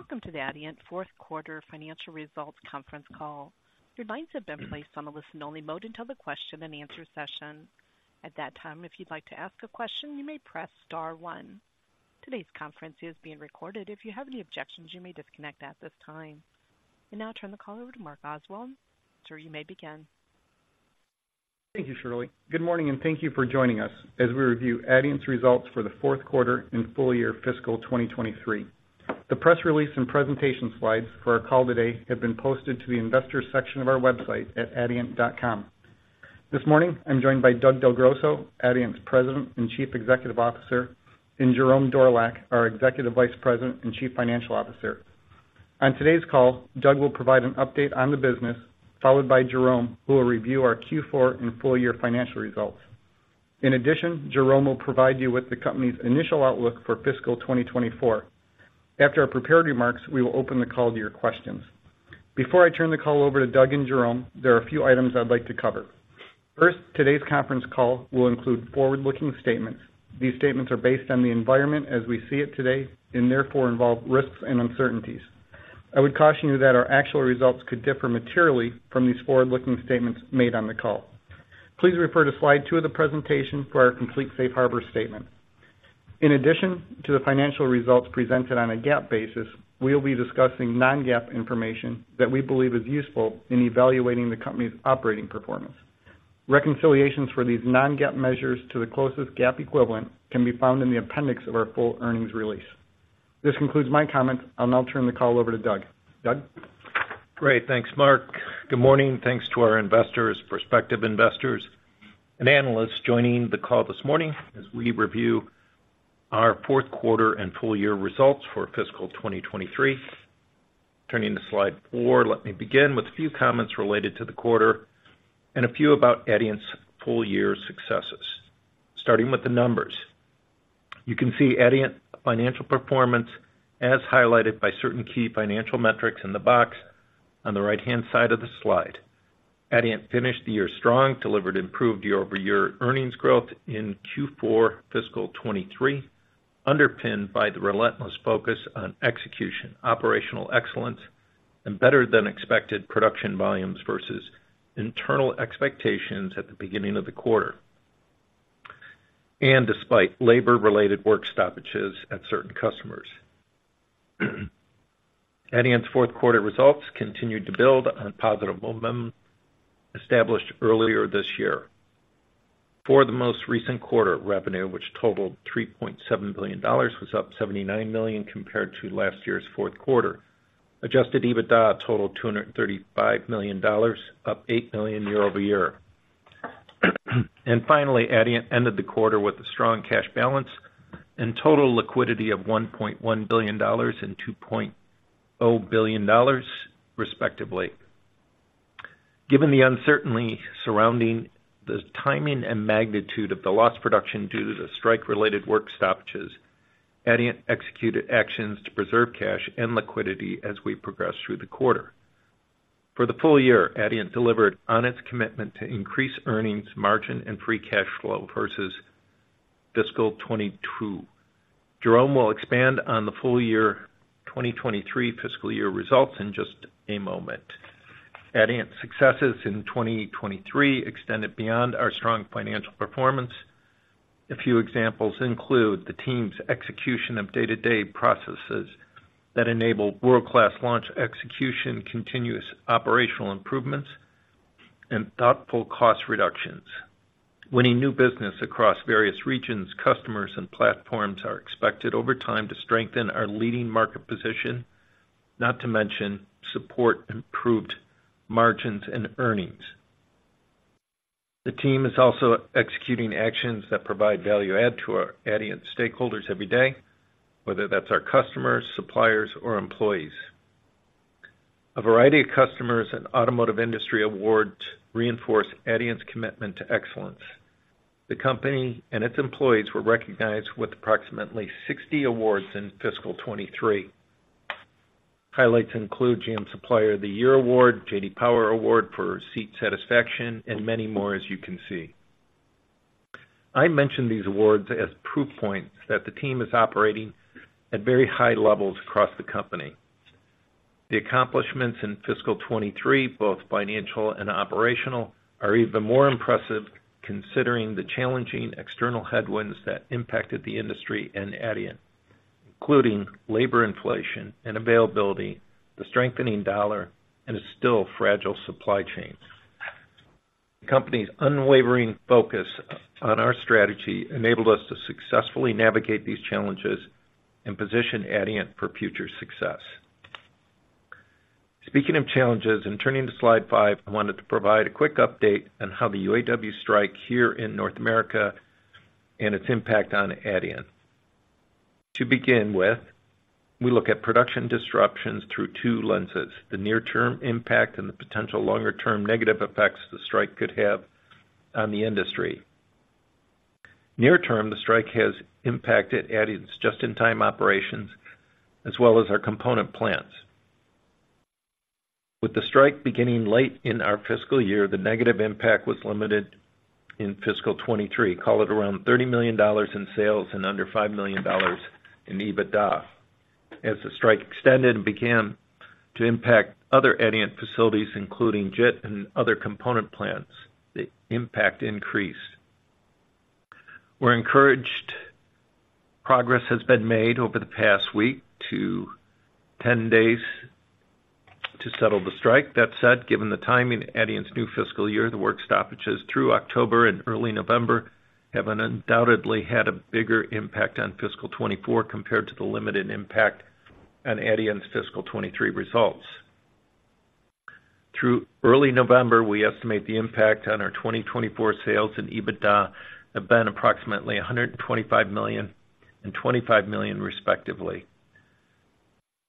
Welcome to the Adient fourth quarter financial results conference call. Your lines have been placed on a listen-only mode until the question and answer session. At that time, if you'd like to ask a question, you may press star one. Today's conference is being recorded. If you have any objections, you may disconnect at this time. I now turn the call over to Mark Oswald. Sir, you may begin. Thank you, Shirley. Good morning, and thank you for joining us as we review Adient's results for the fourth quarter and full year fiscal 2023. The press release and presentation slides for our call today have been posted to the investors section of our website at adient.com. This morning, I'm joined by Doug Del Grosso, Adient's President and Chief Executive Officer, and Jerome Dorlack, our Executive Vice President and Chief Financial Officer. On today's call, Doug will provide an update on the business, followed by Jerome, who will review our Q4 and full year financial results. In addition, Jerome will provide you with the company's initial outlook for fiscal 2024. After our prepared remarks, we will open the call to your questions. Before I turn the call over to Doug and Jerome, there are a few items I'd like to cover. First, today's conference call will include forward-looking statements. These statements are based on the environment as we see it today and therefore involve risks and uncertainties. I would caution you that our actual results could differ materially from these forward-looking statements made on the call. Please refer to slide two of the presentation for our complete safe harbor statement. In addition to the financial results presented on a GAAP basis, we will be discussing non-GAAP information that we believe is useful in evaluating the company's operating performance. Reconciliations for these non-GAAP measures to the closest GAAP equivalent can be found in the appendix of our full earnings release. This concludes my comments. I'll now turn the call over to Doug. Doug? Great. Thanks, Mark. Good morning. Thanks to our investors, prospective investors, and analysts joining the call this morning as we review our fourth quarter and full year results for fiscal 2023. Turning to slide four, let me begin with a few comments related to the quarter and a few about Adient's full year successes. Starting with the numbers. You can see Adient financial performance as highlighted by certain key financial metrics in the box on the right-hand side of the slide. Adient finished the year strong, delivered improved year-over-year earnings growth in Q4 fiscal 2023, underpinned by the relentless focus on execution, operational excellence, and better than expected production volumes versus internal expectations at the beginning of the quarter, and despite labor-related work stoppages at certain customers. Adient's fourth quarter results continued to build on positive momentum established earlier this year. For the most recent quarter, revenue, which totaled $3.7 billion, was up $79 million compared to last year's fourth quarter. Adjusted EBITDA totaled $235 million, up $8 million year-over-year. And finally, Adient ended the quarter with a strong cash balance and total liquidity of $1.1 billion and $2.0 billion, respectively. Given the uncertainty surrounding the timing and magnitude of the lost production due to the strike-related work stoppages, Adient executed actions to preserve cash and liquidity as we progressed through the quarter. For the full year, Adient delivered on its commitment to increase earnings, margin, and free cash flow versus fiscal 2022. Jerome will expand on the full year 2023 fiscal year results in just a moment. Adient's successes in 2023 extended beyond our strong financial performance. A few examples include the team's execution of day-to-day processes that enable world-class launch execution, continuous operational improvements, and thoughtful cost reductions. Winning new business across various regions, customers, and platforms are expected over time to strengthen our leading market position, not to mention support improved margins and earnings. The team is also executing actions that provide value add to our Adient stakeholders every day, whether that's our customers, suppliers, or employees. A variety of customers and automotive industry awards reinforce Adient's commitment to excellence. The company and its employees were recognized with approximately 60 awards in fiscal 2023. Highlights include GM Supplier of the Year Award, J.D. Power Award for Seat Satisfaction, and many more, as you can see. I mention these awards as proof points that the team is operating at very high levels across the company. The accomplishments in fiscal 2023, both financial and operational, are even more impressive considering the challenging external headwinds that impacted the industry and Adient, including labor inflation and availability, the strengthening dollar, and a still fragile supply chain. The company's unwavering focus on our strategy enabled us to successfully navigate these challenges and position Adient for future success. Speaking of challenges and turning to slide five, I wanted to provide a quick update on how the UAW strike here in North America and its impact on Adient. To begin with, we look at production disruptions through two lenses: the near-term impact and the potential longer-term negative effects the strike could have on the industry. Near term, the strike has impacted Adient's just-in-time operations, as well as our component plants. With the strike beginning late in our fiscal year, the negative impact was limited in fiscal 2023, call it around $30 million in sales and under $5 million in EBITDA. As the strike extended and began to impact other Adient facilities, including JIT and other component plants, the impact increased. We're encouraged. Progress has been made over the past week to 10 days to settle the strike. That said, given the timing of Adient's new fiscal year, the work stoppages through October and early November have undoubtedly had a bigger impact on fiscal 2024 compared to the limited impact on Adient's fiscal 2023 results. Through early November, we estimate the impact on our 2024 sales and EBITDA have been approximately $125 million and $25 million, respectively.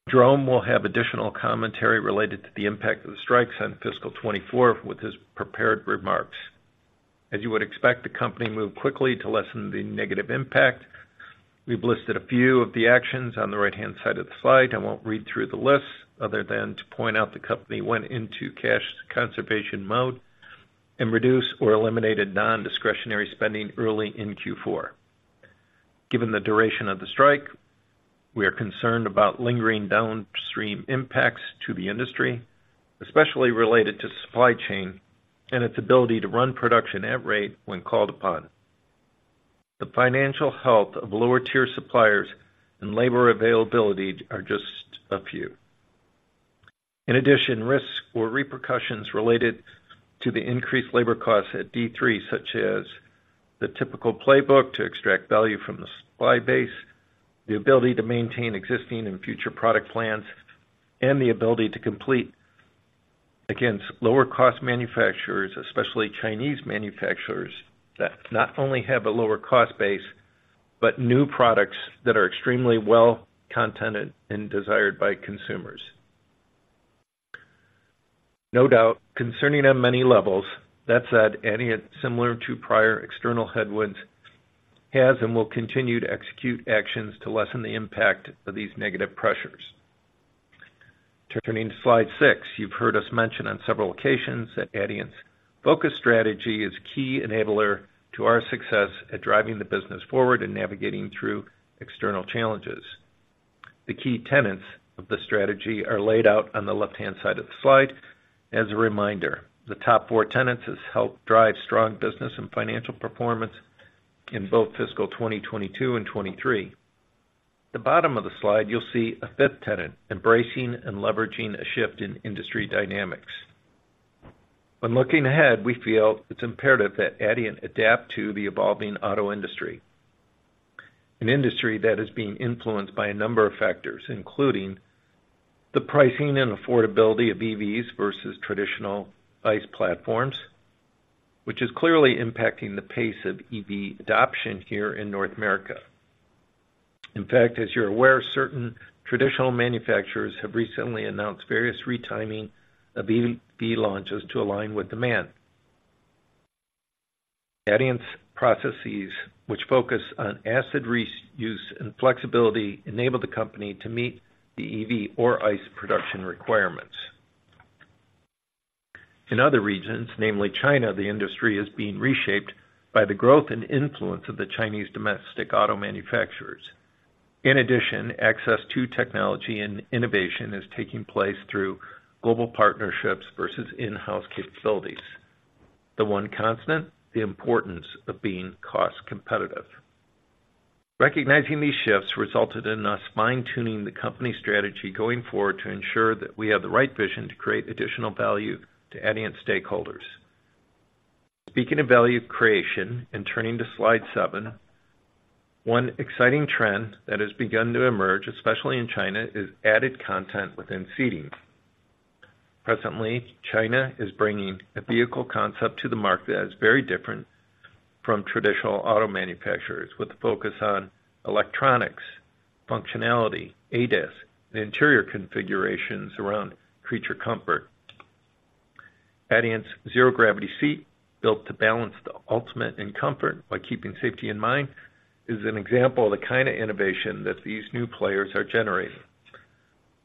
Jerome will have additional commentary related to the impact of the strikes on fiscal 2024 with his prepared remarks. As you would expect, the company moved quickly to lessen the negative impact. We've listed a few of the actions on the right-hand side of the slide. I won't read through the list, other than to point out the company went into cash conservation mode and reduced or eliminated non-discretionary spending early in Q4. Given the duration of the strike, we are concerned about lingering downstream impacts to the industry, especially related to supply chain and its ability to run production at rate when called upon. The financial health of lower-tier suppliers and labor availability are just a few. In addition, risks or repercussions related to the increased labor costs at D3, such as the typical playbook to extract value from the supply base, the ability to maintain existing and future product plans, and the ability to compete against lower-cost manufacturers, especially Chinese manufacturers, that not only have a lower cost base, but new products that are extremely well conceived and desired by consumers. No doubt, concerning on many levels. That said, Adient, similar to prior external headwinds, has and will continue to execute actions to lessen the impact of these negative pressures. Turning to slide six, you've heard us mention on several occasions that Adient's focus strategy is a key enabler to our success at driving the business forward and navigating through external challenges. The key tenets of the strategy are laid out on the left-hand side of the slide as a reminder. The top four tenets has helped drive strong business and financial performance in both fiscal 2022 and 2023. The bottom of the slide, you'll see a fifth tenet, embracing and leveraging a shift in industry dynamics. When looking ahead, we feel it's imperative that Adient adapt to the evolving auto industry, an industry that is being influenced by a number of factors, including the pricing and affordability of EVs versus traditional ICE platforms, which is clearly impacting the pace of EV adoption here in North America. In fact, as you're aware, certain traditional manufacturers have recently announced various retiming of EV launches to align with demand. Adient's processes, which focus on asset reuse and flexibility, enable the company to meet the EV or ICE production requirements. In other regions, namely China, the industry is being reshaped by the growth and influence of the Chinese domestic auto manufacturers. In addition, access to technology and innovation is taking place through global partnerships versus in-house capabilities. The one constant, the importance of being cost competitive. Recognizing these shifts resulted in us fine-tuning the company strategy going forward to ensure that we have the right vision to create additional value to Adient stakeholders. Speaking of value creation and turning to slide seven, one exciting trend that has begun to emerge, especially in China, is added content within seating. Presently, China is bringing a vehicle concept to the market that is very different from traditional auto manufacturers, with a focus on electronics, functionality, ADAS, and interior configurations around creature comfort. Adient's Zero Gravity Seat, built to balance the ultimate in comfort while keeping safety in mind, is an example of the kind of innovation that these new players are generating.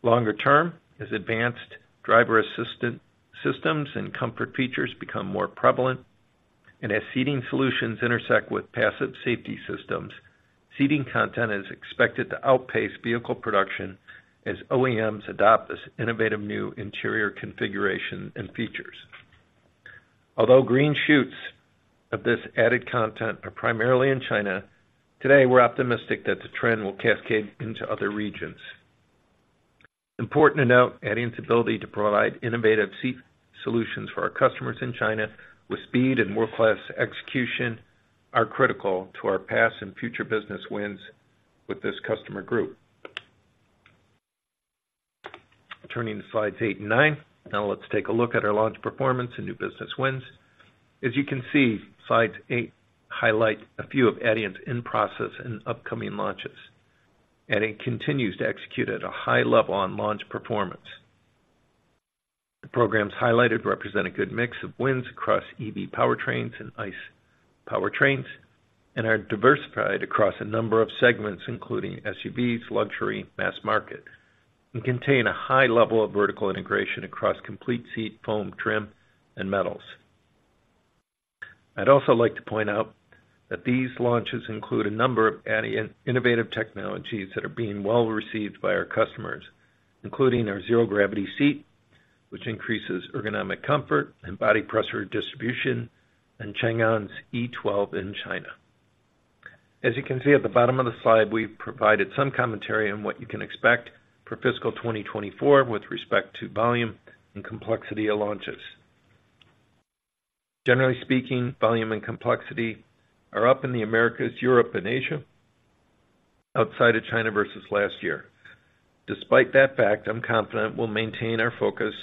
Longer term, as Advanced Driver Assistance Systems and comfort features become more prevalent, and as seating solutions intersect with passive safety systems, seating content is expected to outpace vehicle production as OEMs adopt this innovative new interior configuration and features. Although green shoots of this added content are primarily in China, today, we're optimistic that the trend will cascade into other regions. Important to note, Adient's ability to provide innovative seat solutions for our customers in China with speed and world-class execution are critical to our past and future business wins with this customer group. Turning to slides eight and nine. Now, let's take a look at our launch performance and new business wins. As you can see, slides eight highlight a few of Adient's in-process and upcoming launches. Adient continues to execute at a high level on launch performance. The programs highlighted represent a good mix of wins across EV powertrains and ICE powertrains... and are diversified across a number of segments, including SUVs, luxury, mass market, and contain a high level of vertical integration across complete seat, foam, trim, and metals. I'd also like to point out that these launches include a number of Adient innovative technologies that are being well received by our customers, including our Zero-Gravity Seat, which increases ergonomic comfort and body pressure distribution, and Changan's E12 in China. As you can see at the bottom of the slide, we've provided some commentary on what you can expect for fiscal 2024 with respect to volume and complexity of launches. Generally speaking, volume and complexity are up in the Americas, Europe, and Asia, outside of China, versus last year. Despite that fact, I'm confident we'll maintain our focus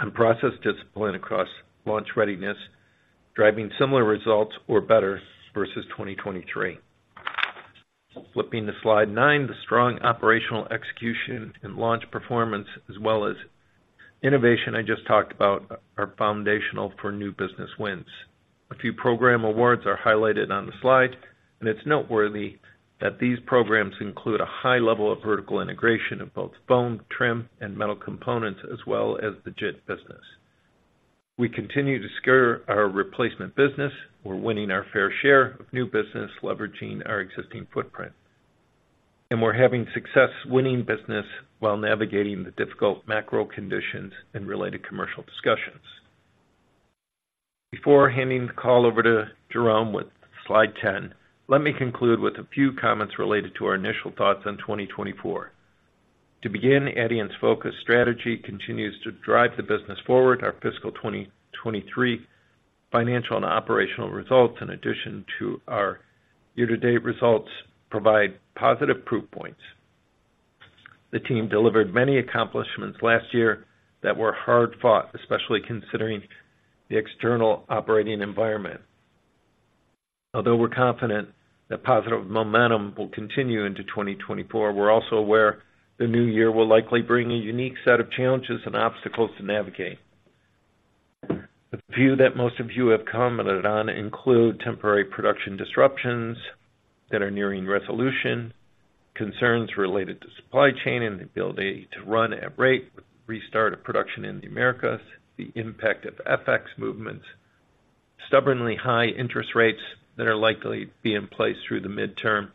on process discipline across launch readiness, driving similar results or better versus 2023. Flipping to Slide nine, the strong operational execution and launch performance, as well as innovation I just talked about, are foundational for new business wins. A few program awards are highlighted on the slide, and it's noteworthy that these programs include a high level of vertical integration of both foam, trim, and metal components, as well as the JIT business. We continue to secure our replacement business. We're winning our fair share of new business, leveraging our existing footprint. And we're having success winning business while navigating the difficult macro conditions and related commercial discussions. Before handing the call over to Jerome with Slide ten, let me conclude with a few comments related to our initial thoughts on 2024. To begin, Adient's focus strategy continues to drive the business forward. Our fiscal 2023 financial and operational results, in addition to our year-to-date results, provide positive proof points. The team delivered many accomplishments last year that were hard-fought, especially considering the external operating environment. Although we're confident that positive momentum will continue into 2024, we're also aware the new year will likely bring a unique set of challenges and obstacles to navigate. The few that most of you have commented on include temporary production disruptions that are nearing resolution, concerns related to supply chain and the ability to run at rate with the restart of production in the Americas, the impact of FX movements, stubbornly high interest rates that are likely to be in place through the midterm,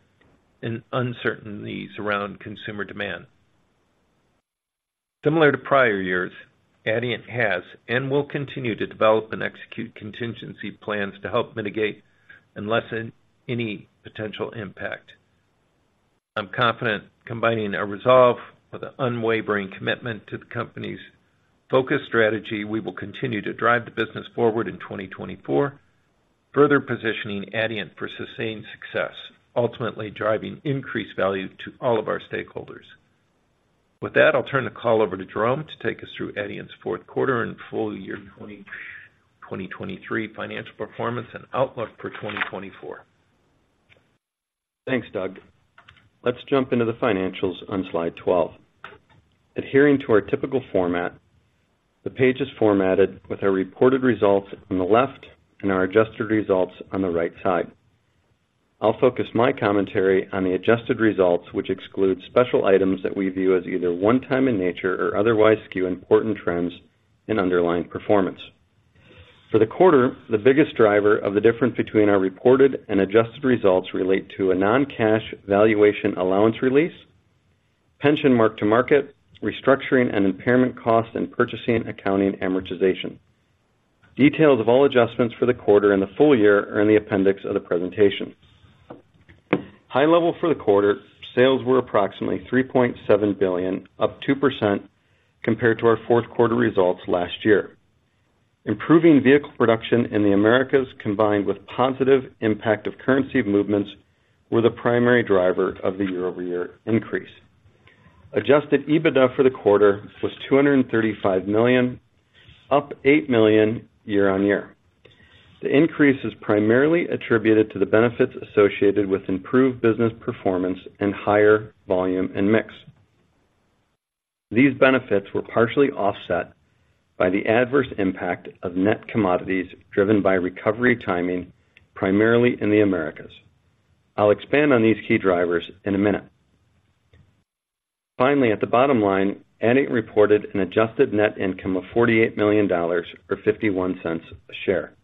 and uncertainties around consumer demand. Similar to prior years, Adient has and will continue to develop and execute contingency plans to help mitigate and lessen any potential impact. I'm confident, combining our resolve with an unwavering commitment to the company's focus strategy, we will continue to drive the business forward in 2024, further positioning Adient for sustained success, ultimately driving increased value to all of our stakeholders. With that, I'll turn the call over to Jerome to take us through Adient's fourth quarter and full year 2023 financial performance and outlook for 2024. Thanks, Doug. Let's jump into the financials on Slide 12. Adhering to our typical format, the page is formatted with our reported results on the left and our adjusted results on the right side. I'll focus my commentary on the adjusted results, which exclude special items that we view as either one-time in nature or otherwise skew important trends and underlying performance. For the quarter, the biggest driver of the difference between our reported and adjusted results relate to a non-cash valuation allowance release, pension mark-to-market, restructuring and impairment costs, and purchasing accounting amortization. Details of all adjustments for the quarter and the full year are in the appendix of the presentation. High level for the quarter, sales were approximately $3.7 billion, up 2% compared to our fourth quarter results last year. Improving vehicle production in the Americas, combined with positive impact of currency movements, were the primary driver of the year-over-year increase. Adjusted EBITDA for the quarter was $235 million, up $8 million year-over-year. The increase is primarily attributed to the benefits associated with improved business performance and higher volume and mix. These benefits were partially offset by the adverse impact of net commodities driven by recovery timing, primarily in the Americas. I'll expand on these key drivers in a minute. Finally, at the bottom line, Adient reported an adjusted net income of $48 million, or $0.51 a share.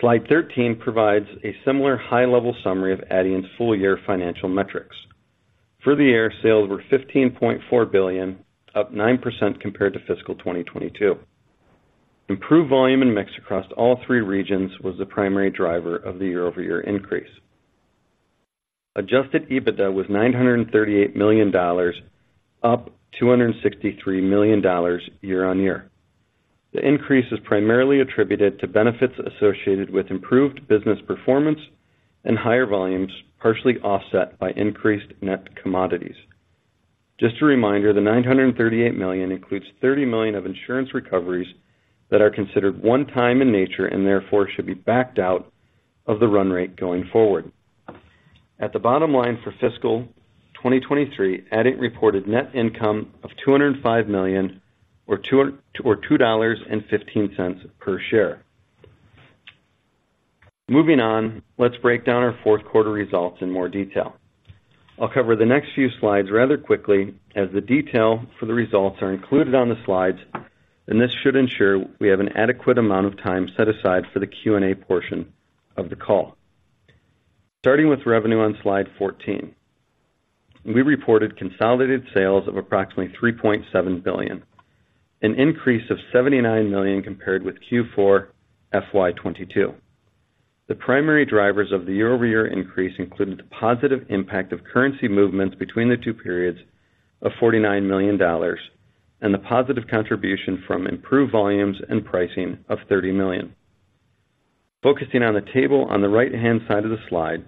Slide 13 provides a similar high-level summary of Adient's full-year financial metrics. For the year, sales were $15.4 billion, up 9% compared to fiscal 2022. Improved volume and mix across all three regions was the primary driver of the year-over-year increase. Adjusted EBITDA was $938 million, up $263 million year-on-year. The increase is primarily attributed to benefits associated with improved business performance and higher volumes, partially offset by increased net commodities. Just a reminder, the $938 million includes $30 million of insurance recoveries that are considered one time in nature and therefore should be backed out of the run rate going forward.... At the bottom line for fiscal 2023, Adient reported net income of $205 million, or $2.15 per share. Moving on, let's break down our fourth quarter results in more detail. I'll cover the next few slides rather quickly, as the detail for the results are included on the slides, and this should ensure we have an adequate amount of time set aside for the Q&A portion of the call. Starting with revenue on Slide 14, we reported consolidated sales of approximately $3.7 billion, an increase of $79 million compared with Q4 FY 2022. The primary drivers of the year-over-year increase included the positive impact of currency movements between the two periods of $49 million, and the positive contribution from improved volumes and pricing of $30 million. Focusing on the table on the right-hand side of the slide,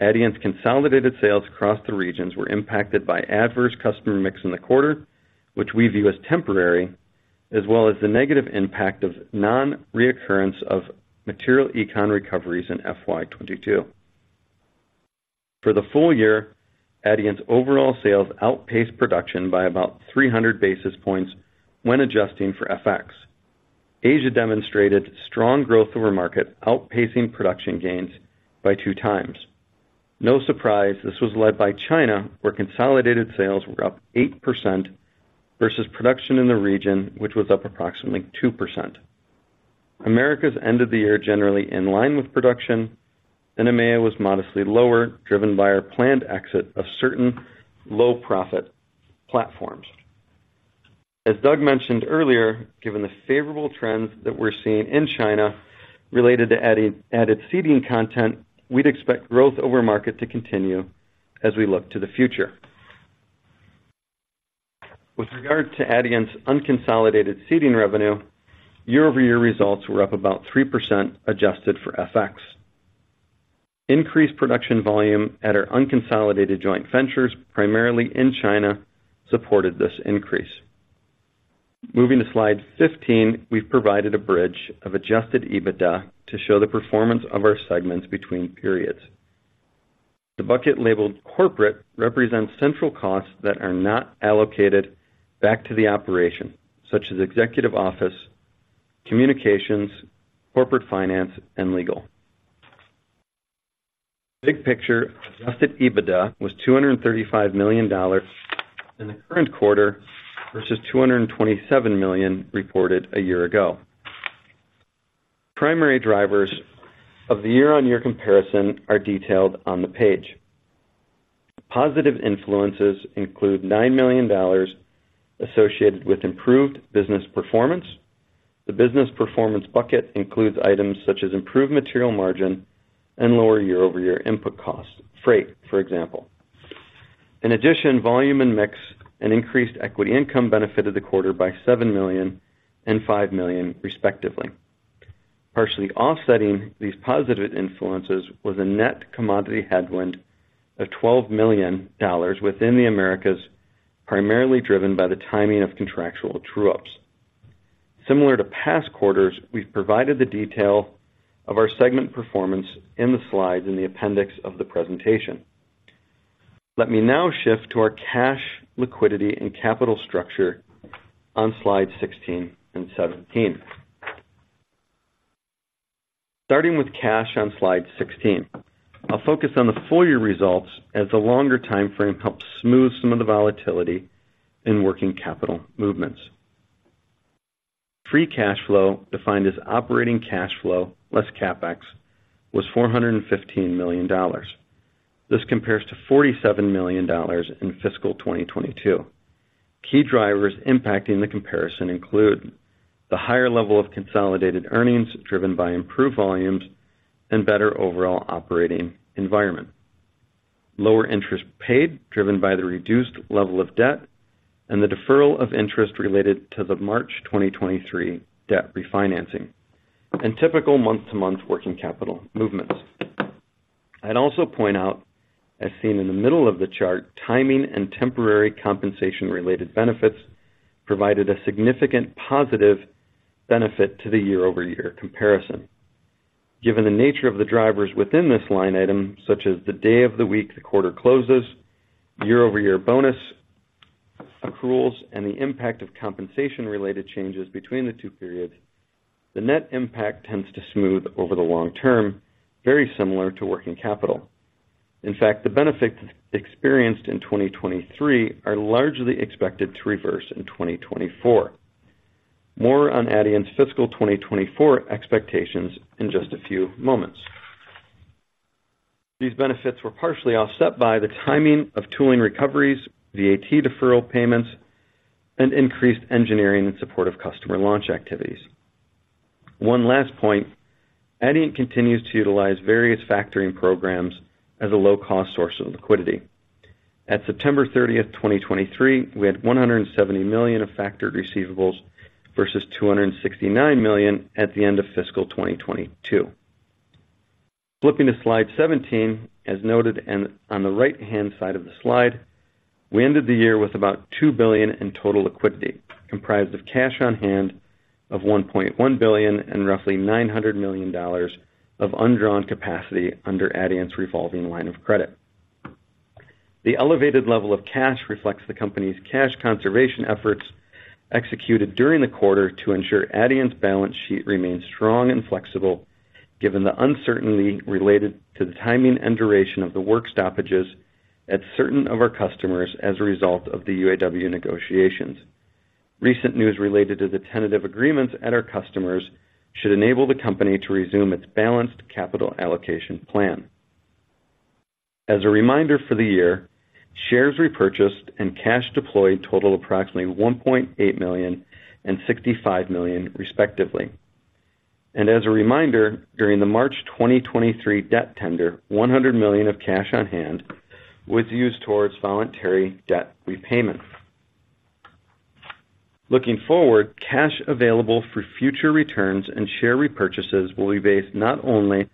Adient's consolidated sales across the regions were impacted by adverse customer mix in the quarter, which we view as temporary, as well as the negative impact of non-reoccurrence of material econ recoveries in FY 2022. For the full year, Adient's overall sales outpaced production by about 300 basis points when adjusting for FX. Asia demonstrated strong growth over market, outpacing production gains by 2x. No surprise, this was led by China, where consolidated sales were up 8% versus production in the region, which was up approximately 2%. Americas end of the year, generally in line with production, and EMEA was modestly lower, driven by our planned exit of certain low-profit platforms. As Doug mentioned earlier, given the favorable trends that we're seeing in China related to added seating content, we'd expect growth over market to continue as we look to the future. With regard to Adient's unconsolidated seating revenue, year-over-year results were up about 3%, adjusted for FX. Increased production volume at our unconsolidated joint ventures, primarily in China, supported this increase. Moving to Slide 15, we've provided a bridge of adjusted EBITDA to show the performance of our segments between periods. The bucket labeled Corporate represents central costs that are not allocated back to the operation, such as executive office, communications, corporate finance, and legal. Big picture, adjusted EBITDA was $235 million in the current quarter, versus $227 million reported a year ago. Primary drivers of the year-on-year comparison are detailed on the page. Positive influences include $9 million associated with improved business performance. The business performance bucket includes items such as improved material margin and lower year-over-year input costs, freight, for example. In addition, volume and mix and increased equity income benefited the quarter by $7 million and $5 million, respectively. Partially offsetting these positive influences was a net commodity headwind of $12 million within the Americas, primarily driven by the timing of contractual true-ups. Similar to past quarters, we've provided the detail of our segment performance in the slides in the appendix of the presentation. Let me now shift to our cash, liquidity, and capital structure on Slides 16 and 17. Starting with cash on Slide 16, I'll focus on the full year results as the longer timeframe helps smooth some of the volatility in working capital movements. Free cash flow, defined as operating cash flow less CapEx, was $415 million. This compares to $47 million in fiscal 2022. Key drivers impacting the comparison include the higher level of consolidated earnings driven by improved volumes and better overall operating environment. Lower interest paid, driven by the reduced level of debt and the deferral of interest related to the March 2023 debt refinancing, and typical month-to-month working capital movements. I'd also point out, as seen in the middle of the chart, timing and temporary compensation-related benefits provided a significant positive benefit to the year-over-year comparison. Given the nature of the drivers within this line item, such as the day of the week, the quarter closes, year-over-year bonus, accruals, and the impact of compensation-related changes between the two periods, the net impact tends to smooth over the long term, very similar to working capital. In fact, the benefits experienced in 2023 are largely expected to reverse in 2024. More on Adient's fiscal 2024 expectations in just a few moments. These benefits were partially offset by the timing of tooling recoveries, VAT deferral payments, and increased engineering in support of customer launch activities. One last point, Adient continues to utilize various factoring programs as a low-cost source of liquidity. At September 30, 2023, we had $170 million of factored receivables versus $269 million at the end of fiscal 2022. Flipping to Slide 17, as noted and on the right-hand side of the slide... We ended the year with about $2 billion in total liquidity, comprised of cash on hand of $1.1 billion and roughly $900 million of undrawn capacity under Adient's revolving line of credit. The elevated level of cash reflects the company's cash conservation efforts executed during the quarter to ensure Adient's balance sheet remains strong and flexible, given the uncertainty related to the timing and duration of the work stoppages at certain of our customers as a result of the UAW negotiations. Recent news related to the tentative agreements at our customers should enable the company to resume its balanced capital allocation plan. As a reminder, for the year, shares repurchased and cash deployed totaled approximately 1.8 million and $65 million, respectively. As a reminder, during the March 2023 debt tender, $100 million of cash on hand was used towards voluntary debt repayments. Looking forward, cash available for future returns and share repurchases will be based not only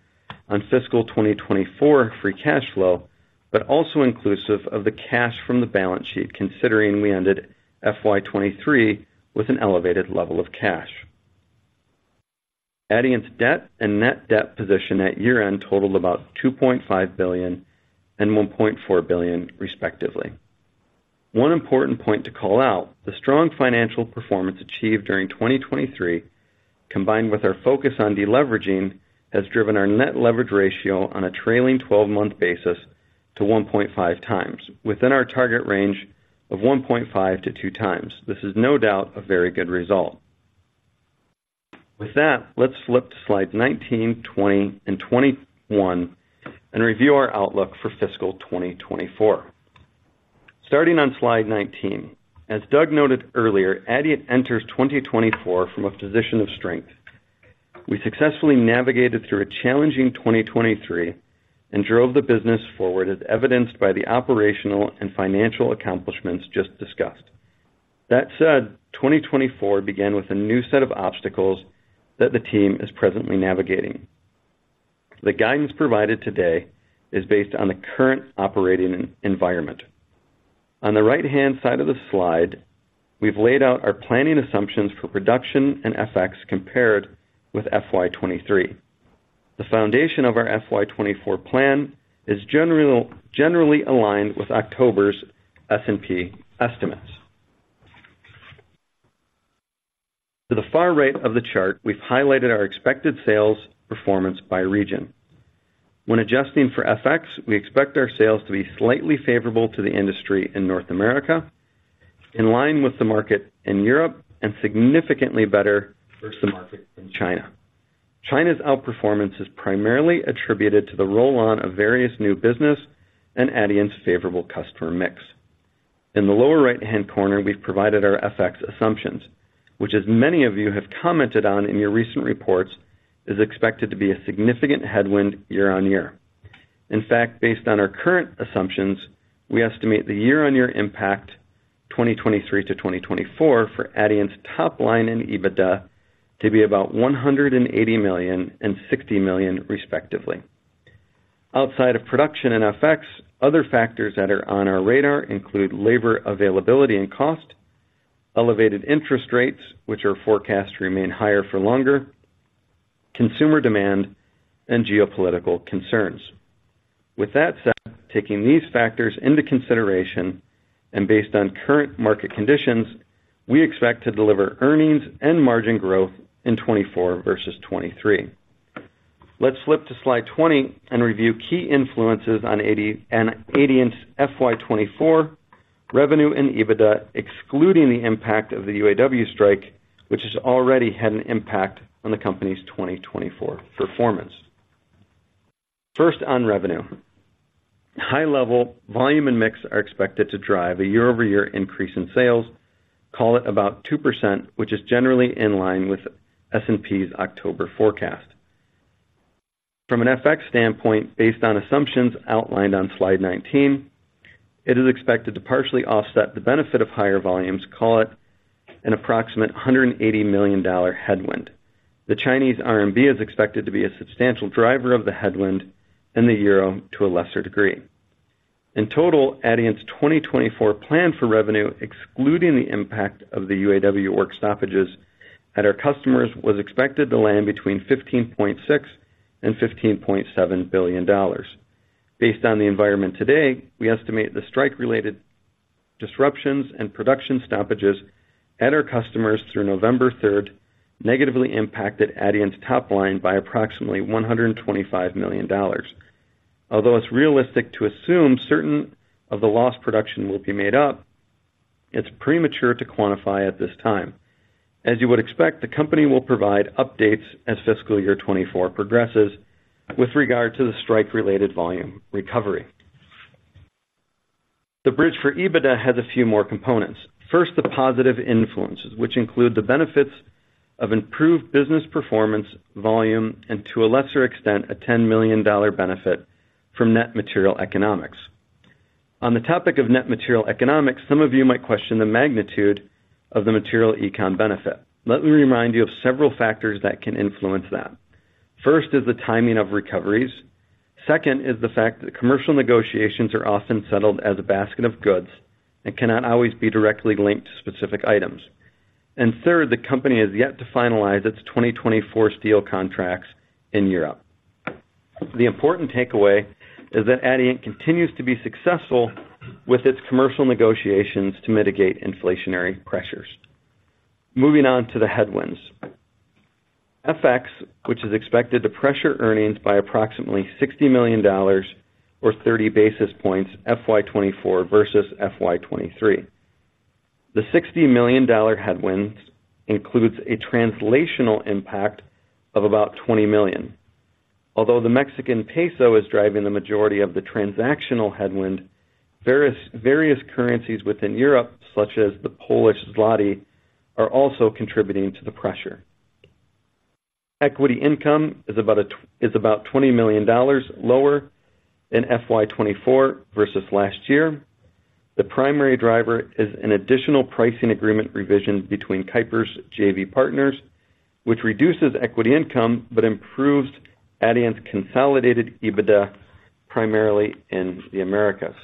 on fiscal 2024 free cash flow, but also inclusive of the cash from the balance sheet, considering we ended FY 2023 with an elevated level of cash. Adient's debt and net debt position at year-end totaled about $2.5 billion and $1.4 billion, respectively. One important point to call out, the strong financial performance achieved during 2023, combined with our focus on deleveraging, has driven our net leverage ratio on a trailing twelve-month basis to 1.5 times, within our target range of 1.5-2x. This is no doubt a very good result. With that, let's flip to slide 19, 20, and 21 and review our outlook for fiscal 2024. Starting on slide 19. As Doug noted earlier, Adient enters 2024 from a position of strength. We successfully navigated through a challenging 2023 and drove the business forward, as evidenced by the operational and financial accomplishments just discussed. That said, 2024 began with a new set of obstacles that the team is presently navigating. The guidance provided today is based on the current operating environment. On the right-hand side of the slide, we've laid out our planning assumptions for production and FX compared with FY 2023. The foundation of our FY 2024 plan is generally aligned with October's S&P estimates. To the far right of the chart, we've highlighted our expected sales performance by region. When adjusting for FX, we expect our sales to be slightly favorable to the industry in North America, in line with the market in Europe, and significantly better versus the market in China. China's outperformance is primarily attributed to the roll-on of various new business and Adient's favorable customer mix. In the lower right-hand corner, we've provided our FX assumptions, which, as many of you have commented on in your recent reports, is expected to be a significant headwind year-on-year. In fact, based on our current assumptions, we estimate the year-on-year impact, 2023 to 2024, for Adient's top line and EBITDA to be about $180 million and $60 million, respectively. Outside of production and FX, other factors that are on our radar include labor availability and cost, elevated interest rates, which are forecast to remain higher for longer, consumer demand, and geopolitical concerns. With that said, taking these factors into consideration, and based on current market conditions, we expect to deliver earnings and margin growth in 2024 versus 2023. Let's flip to slide 20 and review key influences on eighty- on Adient's FY 2024 revenue and EBITDA, excluding the impact of the UAW strike, which has already had an impact on the company's 2024 performance. First, on revenue. High level volume and mix are expected to drive a year-over-year increase in sales, call it about 2%, which is generally in line with S&P's October forecast. From an FX standpoint, based on assumptions outlined on slide 19, it is expected to partially offset the benefit of higher volumes, call it an approximate $180 million headwind. The Chinese RMB is expected to be a substantial driver of the headwind and the euro to a lesser degree. In total, Adient's 2024 plan for revenue, excluding the impact of the UAW work stoppages at our customers, was expected to land between $15.6 billion and $15.7 billion. Based on the environment today, we estimate the strike-related disruptions and production stoppages at our customers through November third negatively impacted Adient's top line by approximately $125 million. Although it's realistic to assume certain of the lost production will be made up, it's premature to quantify at this time. As you would expect, the company will provide updates as fiscal year 2024 progresses with regard to the strike-related volume recovery. The bridge for EBITDA has a few more components. First, the positive influences, which include the benefits of improved business performance, volume, and, to a lesser extent, a $10 million benefit from net material economics. On the topic of net material economics, some of you might question the magnitude of the material econ benefit. Let me remind you of several factors that can influence that. First is the timing of recoveries. Second is the fact that commercial negotiations are often settled as a basket of goods and cannot always be directly linked to specific items. And third, the company has yet to finalize its 2024 steel contracts in Europe. The important takeaway is that Adient continues to be successful with its commercial negotiations to mitigate inflationary pressures. Moving on to the headwinds. FX, which is expected to pressure earnings by approximately $60 million or 30 basis points, FY 2024 versus FY 2023. The $60 million headwinds includes a translational impact of about $20 million. Although the Mexican peso is driving the majority of the transactional headwind, various currencies within Europe, such as the Polish zloty, are also contributing to the pressure. Equity income is about $20 million lower in FY 2024 versus last year. The primary driver is an additional pricing agreement revision between KEIPER JV partners, which reduces equity income but improves Adient's consolidated EBITDA, primarily in the Americas.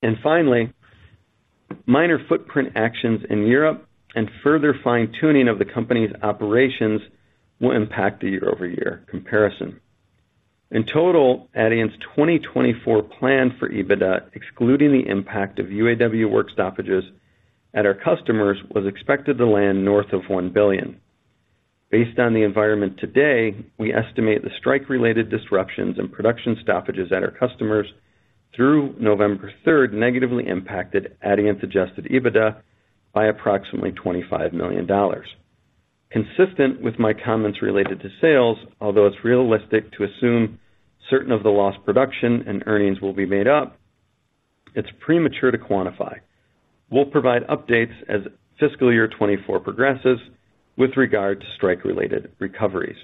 And finally, minor footprint actions in Europe and further fine-tuning of the company's operations will impact the year-over-year comparison. In total, Adient's 2024 plan for EBITDA, excluding the impact of UAW work stoppages at our customers, was expected to land north of $1 billion. Based on the environment today, we estimate the strike-related disruptions and production stoppages at our customers through November third negatively impacted Adient's adjusted EBITDA by approximately $25 million. Consistent with my comments related to sales, although it's realistic to assume certain of the lost production and earnings will be made up, it's premature to quantify. We'll provide updates as fiscal year 2024 progresses with regard to strike-related recoveries.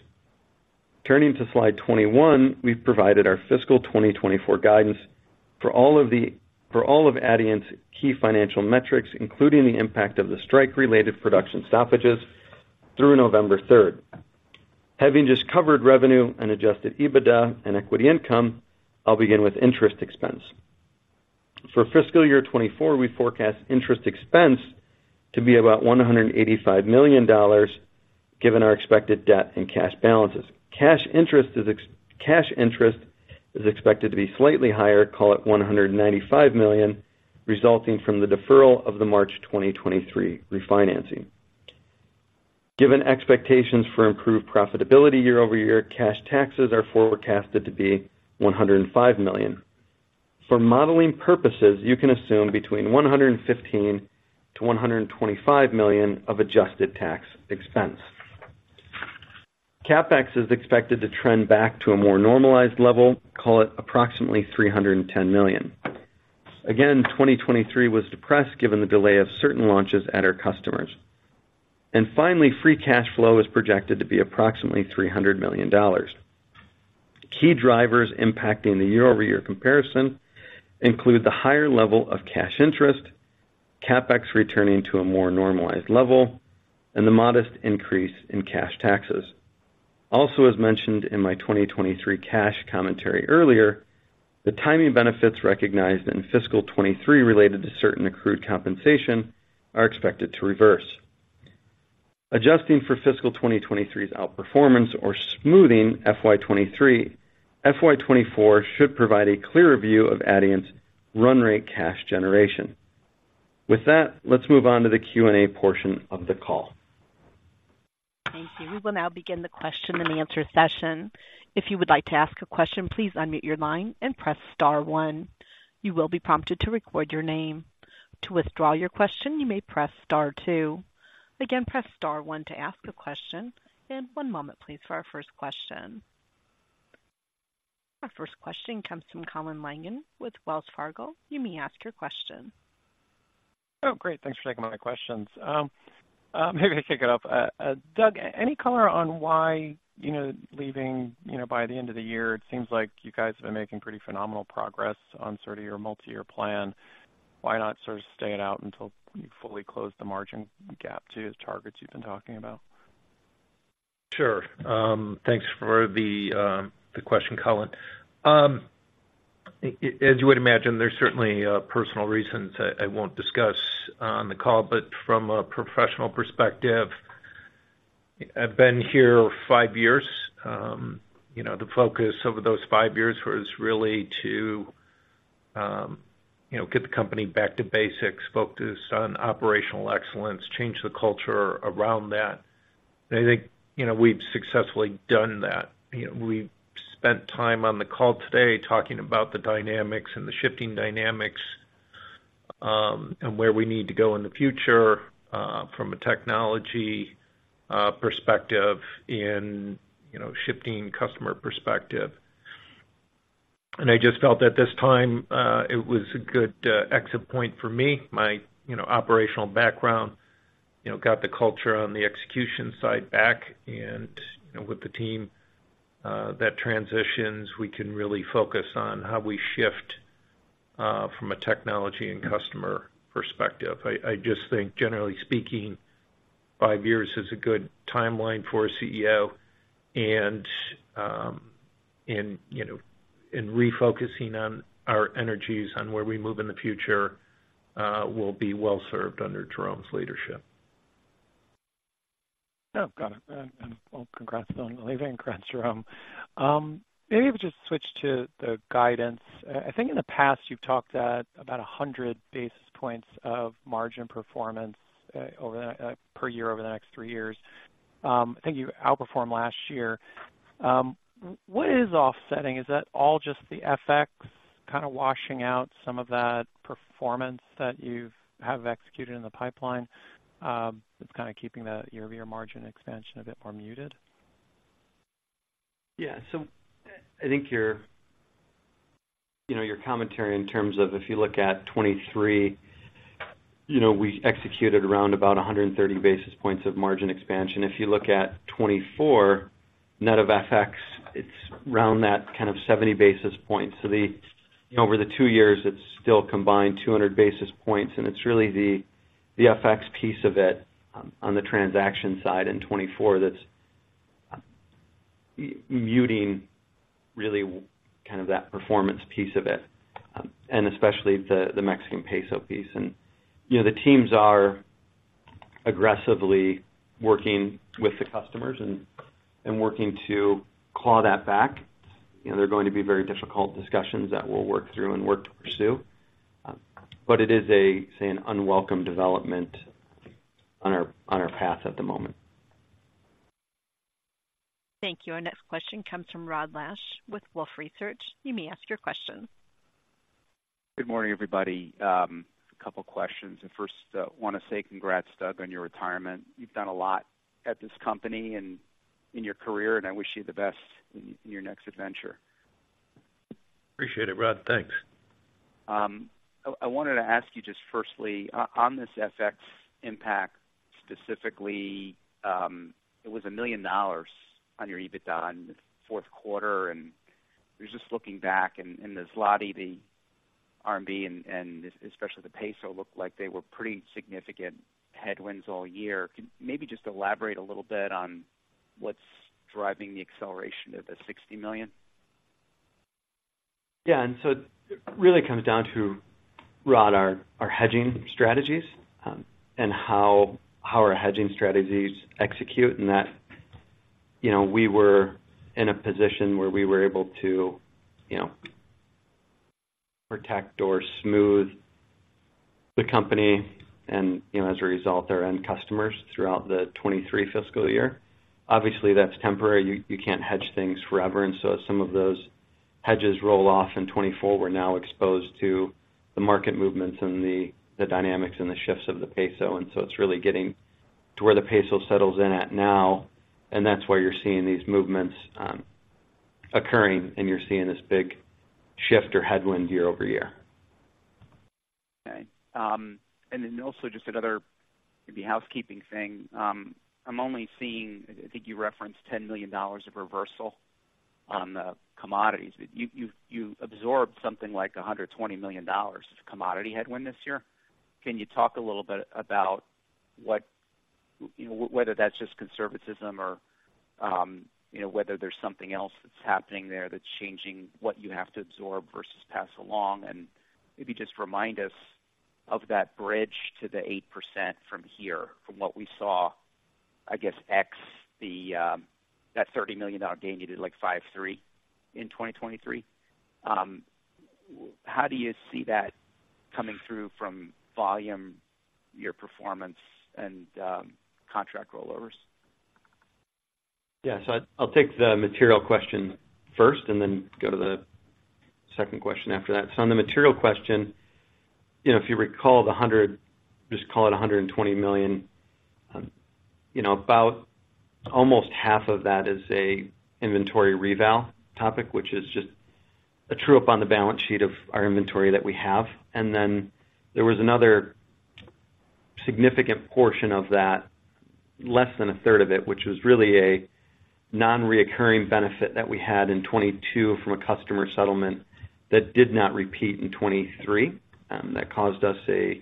Turning to slide 21, we've provided our fiscal 2024 guidance for all of Adient's key financial metrics, including the impact of the strike-related production stoppages through November 3. Having just covered revenue and Adjusted EBITDA and equity income, I'll begin with interest expense. For fiscal year 2024, we forecast interest expense to be about $185 million, given our expected debt and cash balances. Cash interest is expected to be slightly higher, call it $195 million, resulting from the deferral of the March 2023 refinancing. Given expectations for improved profitability year-over-year, cash taxes are forecasted to be $105 million. For modeling purposes, you can assume between $115 million to $125 million of adjusted tax expense. CapEx is expected to trend back to a more normalized level, call it approximately $310 million. Again, 2023 was depressed given the delay of certain launches at our customers. And finally, free cash flow is projected to be approximately $300 million. Key drivers impacting the year-over-year comparison include the higher level of cash interest, CapEx returning to a more normalized level, and the modest increase in cash taxes. Also, as mentioned in my 2023 cash commentary earlier, the timing benefits recognized in fiscal 2023 related to certain accrued compensation are expected to reverse. Adjusting for fiscal 2023's outperformance or smoothing FY 2023, FY 2024 should provide a clearer view of Adient's run rate cash generation. With that, let's move on to the Q&A portion of the call. Thank you. We will now begin the question and answer session. If you would like to ask a question, please unmute your line and press star one. You will be prompted to record your name. To withdraw your question, you may press star two. Again, press star one to ask a question, and one moment, please, for our first question. Our first question comes from Colin Langan with Wells Fargo. You may ask your question. Oh, great, thanks for taking my questions. Maybe to kick it off, Doug, any color on why, you know, leaving, you know, by the end of the year, it seems like you guys have been making pretty phenomenal progress on sort of your multi-year plan. Why not sort of stay it out until you fully close the margin gap to the targets you've been talking about? Sure. Thanks for the question, Colin. As you would imagine, there's certainly personal reasons I won't discuss on the call, but from a professional perspective, I've been here five years. You know, the focus over those five years was really to you know, get the company back to basics, focus on operational excellence, change the culture around that. And I think, you know, we've successfully done that. You know, we've spent time on the call today talking about the dynamics and the shifting dynamics, and where we need to go in the future, from a technology perspective in you know, shifting customer perspective. And I just felt at this time it was a good exit point for me. My, you know, operational background, you know, got the culture on the execution side back and, you know, with the team, that transitions, we can really focus on how we shift-... from a technology and customer perspective. I just think, generally speaking, five years is a good timeline for a CEO, and you know, and refocusing on our energies on where we move in the future, will be well served under Jerome's leadership. Oh, got it. And, and well, congrats on leaving. Congrats, Jerome. Maybe if we just switch to the guidance. I think in the past, you've talked at about 100 basis points of margin performance, over the per year over the next 3 years. I think you outperformed last year. What is offsetting? Is that all just the FX kinda washing out some of that performance that you've have executed in the pipeline, that's kinda keeping the year-over-year margin expansion a bit more muted? Yeah. So I think your, you know, your commentary in terms of if you look at 2023, you know, we executed around about 130 basis points of margin expansion. If you look at 2024, net of FX, it's around that kind of 70 basis points. So the, over the two years, it's still combined 200 basis points, and it's really the, the FX piece of it, on the transaction side in 2024 that's, muting really kind of that performance piece of it, and especially the, the Mexican peso piece. And, you know, the teams are aggressively working with the customers and, and working to claw that back. You know, they're going to be very difficult discussions that we'll work through and work to pursue, but it is a, say, an unwelcome development on our, on our path at the moment. Thank you. Our next question comes from Rod Lache with Wolfe Research. You may ask your question. Good morning, everybody. A couple questions. First, wanna say congrats, Doug, on your retirement. You've done a lot at this company and in your career, and I wish you the best in, in your next adventure. Appreciate it, Rod. Thanks. I wanted to ask you just firstly, on this FX impact, specifically, it was $1 million on your EBITDA in the fourth quarter, and I was just looking back, and the zloty, the RMB, and especially the peso, looked like they were pretty significant headwinds all year. Can maybe just elaborate a little bit on what's driving the acceleration of the $60 million? Yeah, and so it really comes down to, Rod, our hedging strategies, and how our hedging strategies execute, and that, you know, we were in a position where we were able to, you know, protect or smooth the company and, you know, as a result, our end customers throughout the 2023 fiscal year. Obviously, that's temporary. You can't hedge things forever, and so as some of those hedges roll off in 2024, we're now exposed to the market movements and the dynamics and the shifts of the peso. And so it's really getting to where the peso settles in at now, and that's why you're seeing these movements occurring, and you're seeing this big shift or headwind year-over-year. Okay. And then also just another maybe housekeeping thing. I'm only seeing, I think you referenced $10 million of reversal on the commodities. But you've absorbed something like $120 million of commodity headwind this year. Can you talk a little bit about what, you know, whether that's just conservatism or, you know, whether there's something else that's happening there that's changing what you have to absorb versus pass along? And maybe just remind us of that bridge to the 8% from here, from what we saw, I guess, ex the that $30 million gain you did, like, 5.3 in 2023. How do you see that coming through from volume, your performance, and contract rollovers? Yeah. So I'll take the material question first and then go to the second question after that. So on the material question, you know, if you recall, just call it $120 million, you know, about almost half of that is an inventory reval topic, which is just a true-up on the balance sheet of our inventory that we have. And then there was another significant portion of that, less than a third of it, which was really a non-recurring benefit that we had in 2022 from a customer settlement that did not repeat in 2023. That caused us an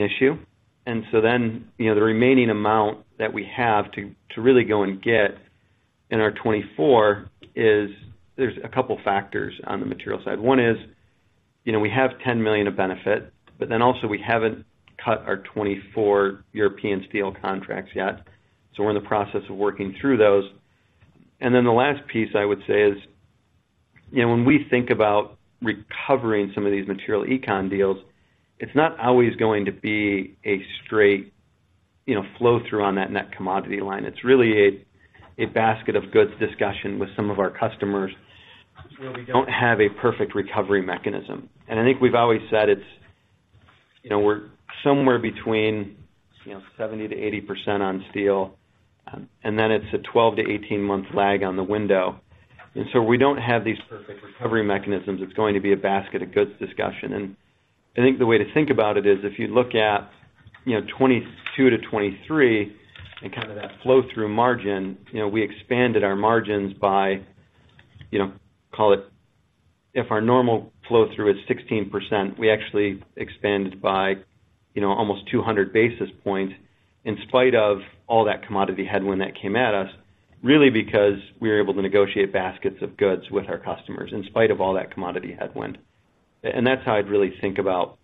issue. And so then, you know, the remaining amount that we have to really go and get in our 2024 is there's a couple factors on the material side. One is, you know, we have $10 million of benefit, but then also we haven't cut our 2024 European steel contracts yet, so we're in the process of working through those. And then the last piece I would say is, you know, when we think about recovering some of these material econ deals, it's not always going to be a straight, you know, flow-through on that net commodity line. It's really a basket of goods discussion with some of our customers where we don't have a perfect recovery mechanism. And I think we've always said it's, you know, we're somewhere between, you know, 70%-80% on steel, and then it's a 12- to 18-month lag on the window. And so we don't have these perfect recovery mechanisms. It's going to be a basket of goods discussion. And-... I think the way to think about it is, if you look at, you know, 2022-2023 and kind of that flow-through margin, you know, we expanded our margins by, you know, call it, if our normal flow-through is 16%, we actually expanded by, you know, almost 200 basis points, in spite of all that commodity headwind that came at us, really because we were able to negotiate baskets of goods with our customers, in spite of all that commodity headwind. And that's how I'd really think about,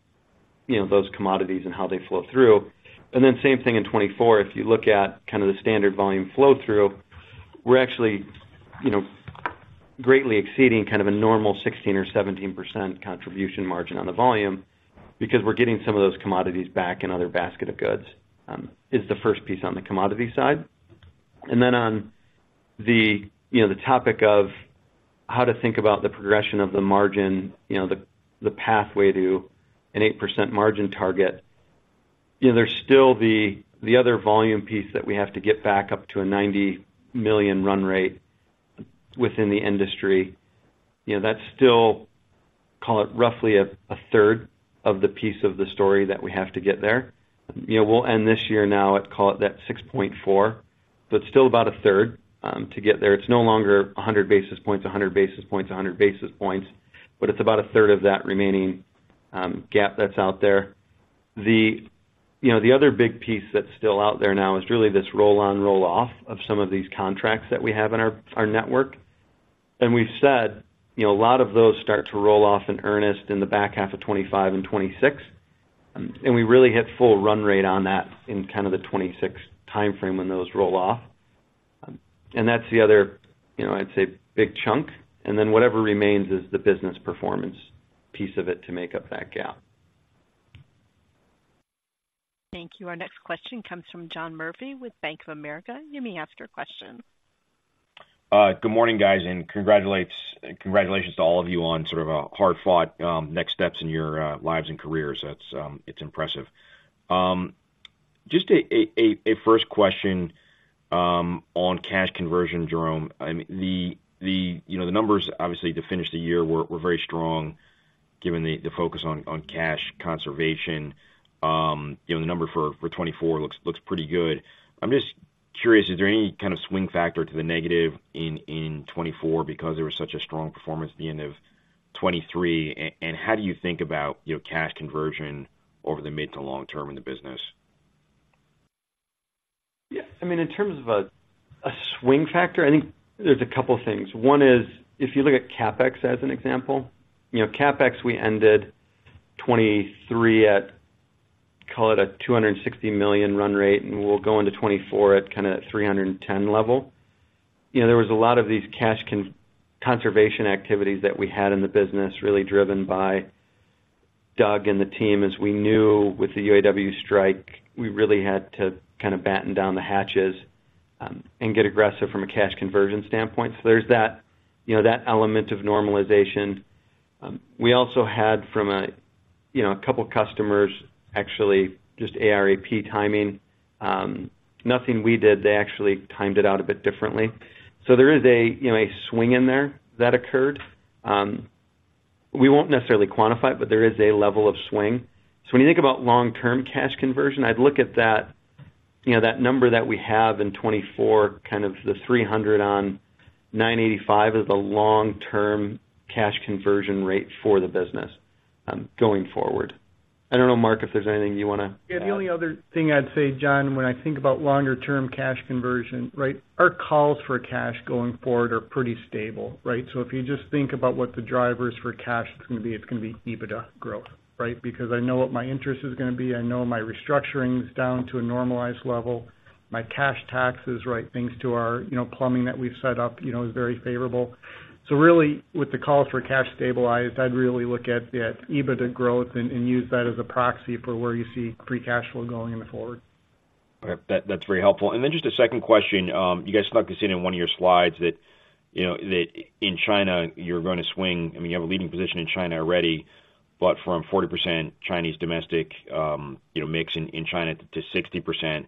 you know, those commodities and how they flow through. And then same thing in 2024. If you look at kind of the standard volume flow-through, we're actually, you know, greatly exceeding kind of a normal 16%-17% contribution margin on the volume because we're getting some of those commodities back in other basket of goods is the first piece on the commodity side. And then on the, you know, the topic of how to think about the progression of the margin, you know, the pathway to an 8% margin target, you know, there's still the other volume piece that we have to get back up to a $90 million run rate within the industry. You know, that's still, call it, roughly a third of the piece of the story that we have to get there. You know, we'll end this year now at, call it, that 6.4, but still about a third to get there. It's no longer 100 basis points, 100 basis points, 100 basis points, but it's about a third of that remaining gap that's out there. You know, the other big piece that's still out there now is really this roll-on, roll-off of some of these contracts that we have in our network. And we've said, you know, a lot of those start to roll off in earnest in the back half of 2025 and 2026, and we really hit full run rate on that in kind of the 2026 timeframe when those roll off. And that's the other, you know, I'd say, big chunk, and then whatever remains is the business performance piece of it to make up that gap. Thank you. Our next question comes from John Murphy with Bank of America. You may ask your question. Good morning, guys, and congratulates, congratulations to all of you on sort of hard-fought next steps in your lives and careers. That's, it's impressive. Just a first question on cash conversion, Jerome. I mean, you know, the numbers, obviously, to finish the year were very strong given the focus on cash conservation. You know, the number for 2024 looks pretty good. I'm just curious, is there any kind of swing factor to the negative in 2024 because there was such a strong performance at the end of 2023? And how do you think about, you know, cash conversion over the mid to long term in the business? Yeah, I mean, in terms of a swing factor, I think there's a couple things. One is, if you look at CapEx as an example, you know, CapEx, we ended 2023 at, call it, a $260 million run rate, and we'll go into 2024 at kind of $310 level. You know, there was a lot of these cash conservation activities that we had in the business, really driven by Doug and the team, as we knew with the UAW strike, we really had to kind of batten down the hatches, and get aggressive from a cash conversion standpoint. So there's that, you know, that element of normalization. We also had from a, you know, a couple customers, actually, just AR/AP timing, nothing we did. They actually timed it out a bit differently. There is a, you know, a swing in there that occurred. We won't necessarily quantify it, but there is a level of swing. So when you think about long-term cash conversion, I'd look at that, you know, that number that we have in 2024, kind of the $300 on $985, is the long-term cash conversion rate for the business, going forward. I don't know, Mark, if there's anything you want to add. Yeah, the only other thing I'd say, John, when I think about longer-term cash conversion, right? Our calls for cash going forward are pretty stable, right? So if you just think about what the drivers for cash is going to be, it's going to be EBITDA growth, right? Because I know what my interest is going to be, I know my restructuring is down to a normalized level. My cash taxes, right, thanks to our, you know, plumbing that we've set up, you know, is very favorable. So really, with the calls for cash stabilized, I'd really look at the EBITDA growth and, and use that as a proxy for where you see free cash flow going in the forward. Okay. That, that's very helpful. And then just a second question. You guys stuck this in, in one of your slides that, you know, that in China, you're going to swing... I mean, you have a leading position in China already, but from 40% Chinese domestic, you know, mix in, in China to 60%.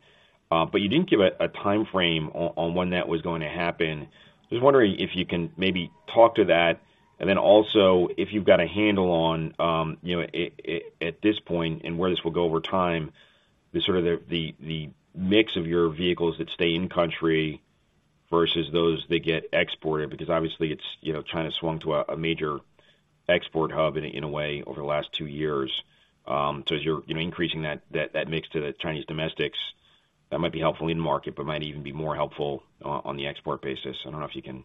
But you didn't give a timeframe on when that was going to happen. Just wondering if you can maybe talk to that, and then also, if you've got a handle on, you know, at this point and where this will go over time, the sort of the mix of your vehicles that stay in country versus those that get exported, because obviously, it's, you know, China swung to a major export hub in a way, over the last two years. So as you're, you know, increasing that mix to the Chinese domestics, that might be helpful in the market, but might even be more helpful on the export basis. I don't know if you can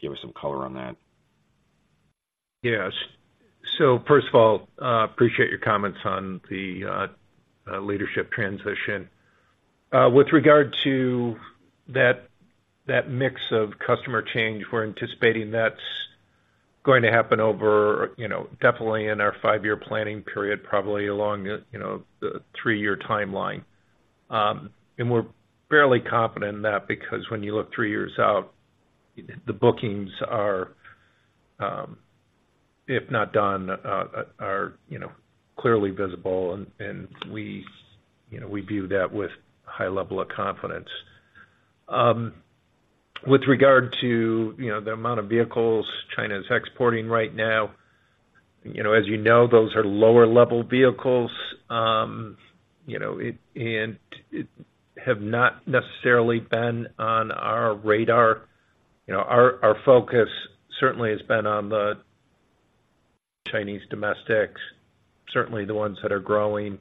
give us some color on that. Yes. So first of all, appreciate your comments on the leadership transition. With regard to that, that mix of customer change, we're anticipating that's going to happen over, you know, definitely in our five-year planning period, probably along the, you know, the three-year timeline. And we're fairly confident in that, because when you look three years out, the bookings are, if not done, are, you know, clearly visible and, and we, you know, we view that with high level of confidence. ...With regard to, you know, the amount of vehicles China is exporting right now, you know, as you know, those are lower level vehicles. You know, and it has not necessarily been on our radar. You know, our focus certainly has been on the Chinese domestics, certainly the ones that are growing,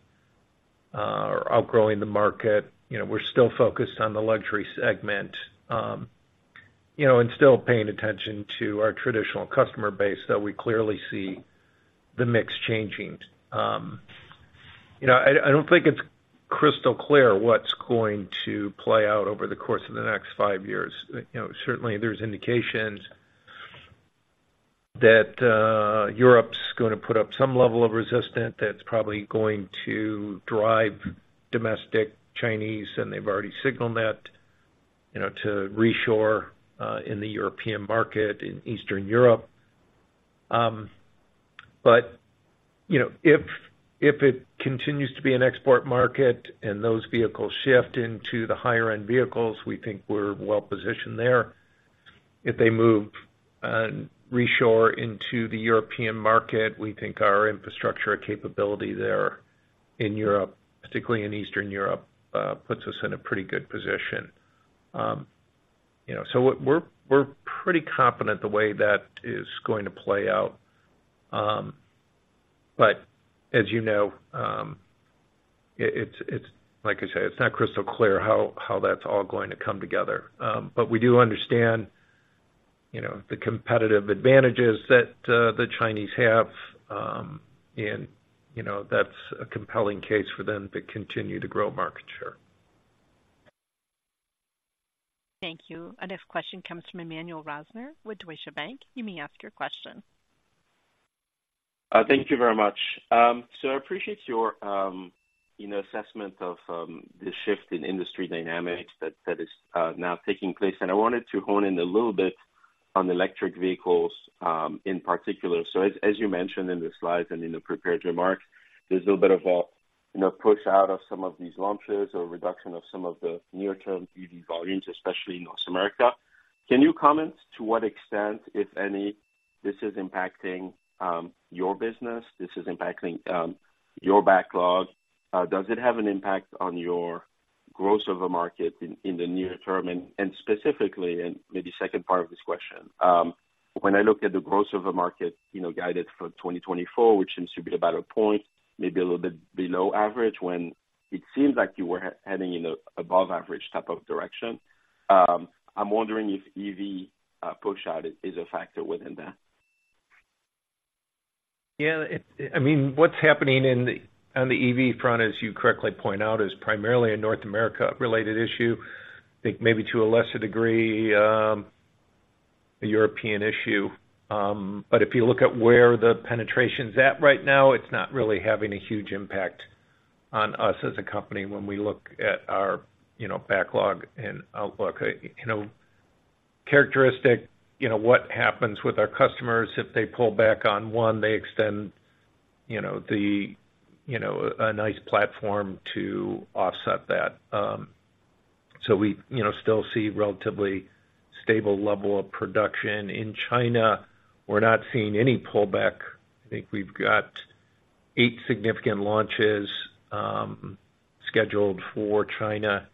or outgrowing the market. You know, we're still focused on the luxury segment, you know, and still paying attention to our traditional customer base, though we clearly see the mix changing. You know, I don't think it's crystal clear what's going to play out over the course of the next five years. You know, certainly there's indications that, Europe's gonna put up some level of resistance that's probably going to drive domestic Chinese, and they've already signaled that, you know, to reshore, in the European market, in Eastern Europe. But, you know, if it continues to be an export market and those vehicles shift into the higher end vehicles, we think we're well positioned there. If they move and reshore into the European market, we think our infrastructure capability there in Europe, particularly in Eastern Europe, puts us in a pretty good position. You know, so what we're pretty confident the way that is going to play out. But as you know, it's like I say, it's not crystal clear how that's all going to come together. But we do understand, you know, the competitive advantages that the Chinese have, and, you know, that's a compelling case for them to continue to grow market share. Thank you. Our next question comes from Emmanuel Rosner with Deutsche Bank. You may ask your question. Thank you very much. So I appreciate your, you know, assessment of the shift in industry dynamics that is now taking place. And I wanted to hone in a little bit on electric vehicles in particular. So as you mentioned in the slides and in the prepared remarks, there's a little bit of a, you know, push out of some of these launches or reduction of some of the near-term EV volumes, especially in North America. Can you comment to what extent, if any, this is impacting your business, this is impacting your backlog? Does it have an impact on your growth of the market in the near term? Specifically, maybe second part of this question, when I look at the growth of the market, you know, guided for 2024, which seems to be about a point, maybe a little bit below average, when it seems like you were heading in an above average type of direction, I'm wondering if EV push out is a factor within that? Yeah, I mean, what's happening on the EV front, as you correctly point out, is primarily a North America-related issue. I think maybe to a lesser degree, a European issue. But if you look at where the penetration's at right now, it's not really having a huge impact on us as a company when we look at our, you know, backlog and outlook. You know, characteristic, you know, what happens with our customers, if they pull back on one, they extend, you know, the, you know, a nice platform to offset that. So we, you know, still see relatively stable level of production. In China, we're not seeing any pullback. I think we've got eight significant launches, scheduled for China,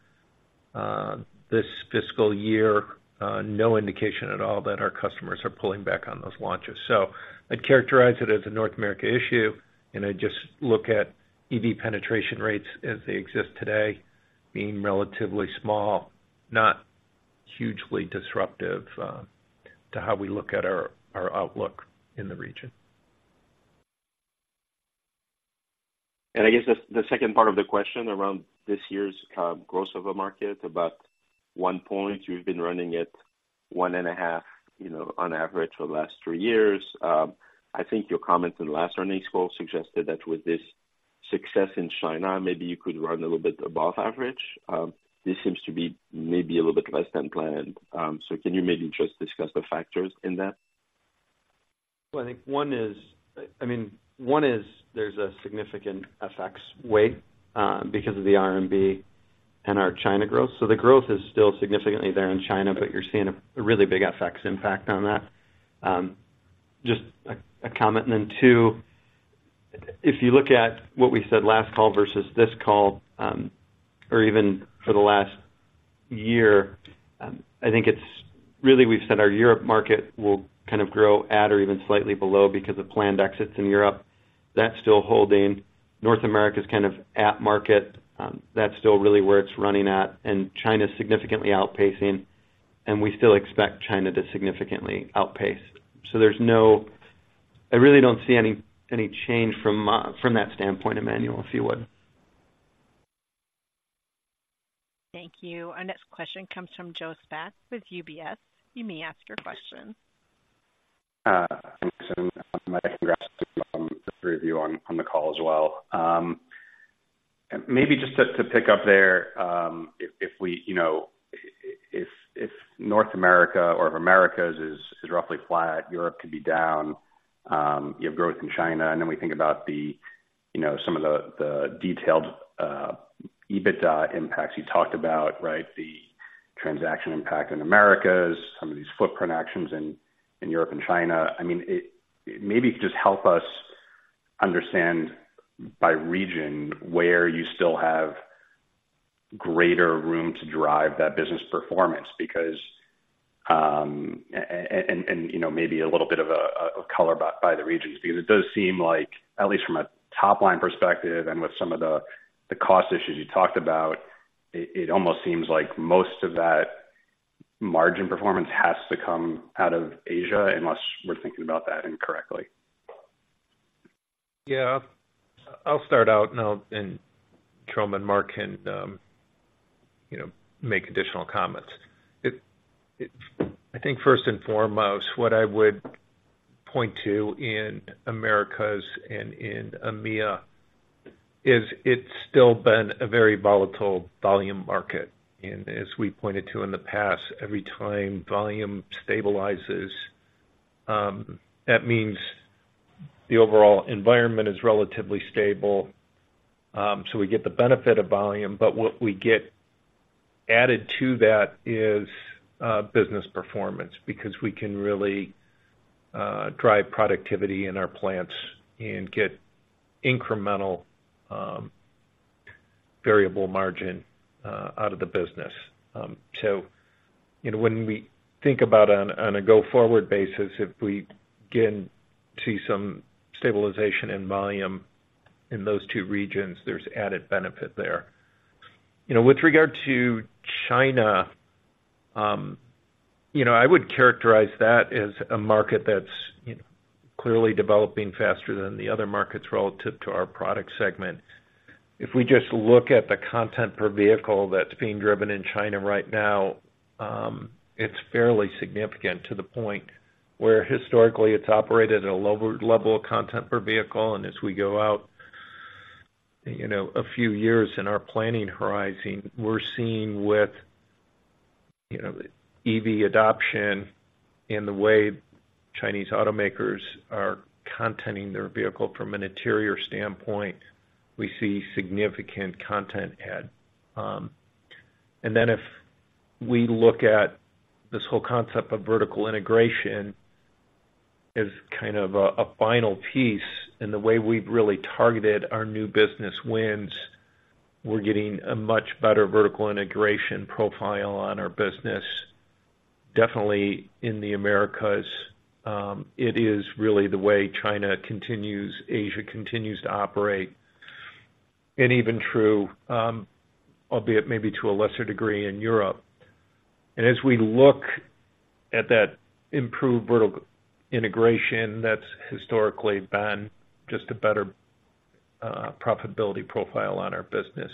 this fiscal year. No indication at all that our customers are pulling back on those launches. I'd characterize it as a North America issue, and I'd just look at EV penetration rates as they exist today, being relatively small, not hugely disruptive to how we look at our outlook in the region. I guess the second part of the question around this year's growth of the market, about 1%, you've been running at 1.5%, you know, on average for the last 3 years. I think your comments in the last earnings call suggested that with this success in China, maybe you could run a little bit above average. So can you maybe just discuss the factors in that? Well, I think one is—I mean, one is there's a significant FX headwind because of the RMB and our China growth. So the growth is still significantly there in China, but you're seeing a really big FX impact on that. Just a comment and then two, if you look at what we said last call versus this call, or even for the last year, I think it's really we've said our Europe market will kind of grow at or even slightly below because of planned exits in Europe. That's still holding. North America's kind of at market, that's still really where it's running at, and China's significantly outpacing, and we still expect China to significantly outpace. So there's no... I really don't see any change from that standpoint, Emmanuel, if you would. Thank you. Our next question comes from Joe Spak with UBS. You may ask your question. Thanks, and my congrats to the three of you on the call as well. Maybe just to pick up there, if we, you know, if North America or if Americas is roughly flat, Europe could be down, you have growth in China, and then we think about the-... you know, some of the detailed EBITDA impacts you talked about, right? The transactional impact in Americas, some of these footprint actions in Europe and China. I mean, it maybe just help us understand by region where you still have greater room to drive that business performance, because and you know, maybe a little bit of a color by the regions, because it does seem like, at least from a top line perspective and with some of the cost issues you talked about, it almost seems like most of that margin performance has to come out of Asia, unless we're thinking about that incorrectly. Yeah. I'll start out now, and Jerome and Mark can, you know, make additional comments. I think first and foremost, what I would point to in Americas and in EMEA is it's still been a very volatile volume market, and as we pointed to in the past, every time volume stabilizes, that means the overall environment is relatively stable. So we get the benefit of volume, but what we get added to that is business performance, because we can really drive productivity in our plants and get incremental variable margin out of the business. So, you know, when we think about on a go-forward basis, if we begin to see some stabilization in volume in those two regions, there's added benefit there. You know, with regard to China, you know, I would characterize that as a market that's, you know, clearly developing faster than the other markets relative to our product segment. If we just look at the content per vehicle that's being driven in China right now, it's fairly significant to the point where historically it's operated at a lower level of content per vehicle, and as we go out, you know, a few years in our planning horizon, we're seeing with, you know, EV adoption and the way Chinese automakers are contenting their vehicle from an interior standpoint, we see significant content add. And then if we look at this whole concept of vertical integration as kind of a final piece in the way we've really targeted our new business wins, we're getting a much better vertical integration profile on our business. Definitely in the Americas, it is really the way China continues, Asia continues to operate, and even true, albeit maybe to a lesser degree in Europe. As we look at that improved vertical integration, that's historically been just a better profitability profile on our business.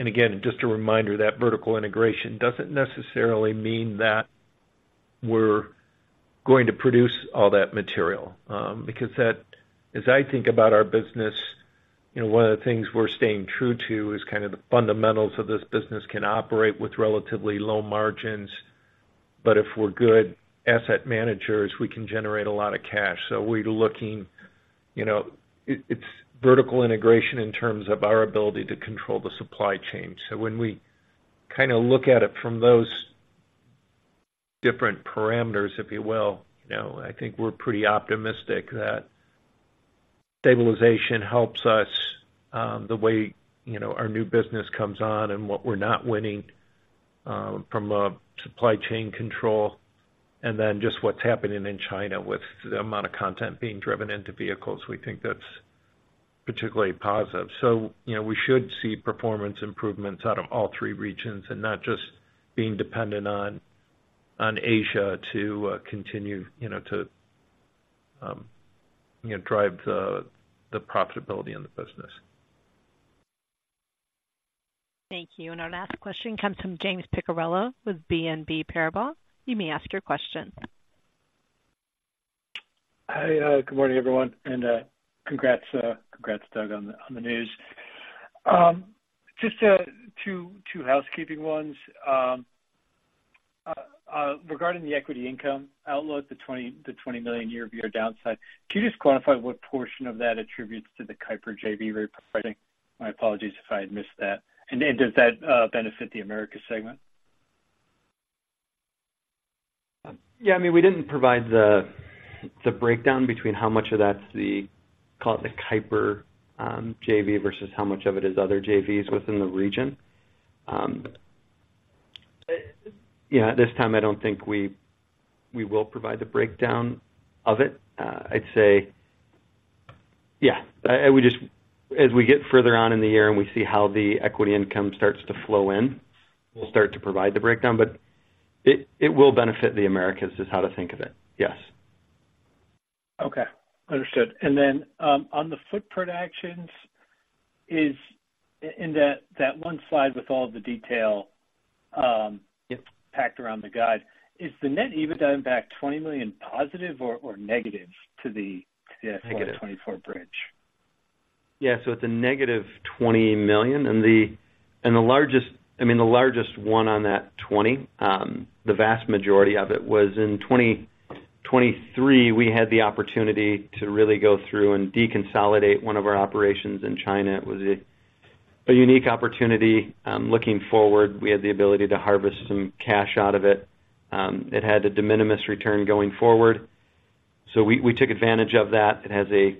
Again, just a reminder, that vertical integration doesn't necessarily mean that we're going to produce all that material, because that, as I think about our business, you know, one of the things we're staying true to is kind of the fundamentals of this business can operate with relatively low margins, but if we're good asset managers, we can generate a lot of cash. So we're looking, you know, it, it's vertical integration in terms of our ability to control the supply chain. So when we kinda look at it from those different parameters, if you will, you know, I think we're pretty optimistic that stabilization helps us, the way, you know, our new business comes on and what we're not winning, from a supply chain control, and then just what's happening in China with the amount of content being driven into vehicles, we think that's particularly positive. So, you know, we should see performance improvements out of all three regions and not just being dependent on, on Asia to, continue, you know, to, drive the, the profitability in the business. Thank you. Our last question comes from James Picariello with BNP Paribas. You may ask your question. Hi, good morning, everyone, and congrats, Doug, on the news. Just two housekeeping ones. Regarding the equity income outlook, the $20 million year-over-year downside, can you just clarify what portion of that attributes to the Keiper JV repricing? My apologies if I had missed that. And does that benefit the Americas segment? Yeah, I mean, we didn't provide the breakdown between how much of that's the, call it the KEIPER JV, versus how much of it is other JVs within the region. Yeah, at this time, I don't think we will provide the breakdown of it. I'd say... yeah, I would just- as we get further on in the year and we see how the equity income starts to flow in, we'll start to provide the breakdown, but it will benefit the Americas, is how to think of it. Yes. Okay, understood. And then, on the footprint actions, is in that one slide with all the detail. Yep. -packed around the guide, is the net EBITDA impact $20 million positive or negative to the- Negative. - to the 2024 bridge? Yeah, so it's a negative $20 million. And the, and the largest, I mean, the largest one on that 20, the vast majority of it was in 2023, we had the opportunity to really go through and deconsolidate one of our operations in China. It was a unique opportunity. Looking forward, we had the ability to harvest some cash out of it. It had a de minimis return going forward, so we took advantage of that. It has a,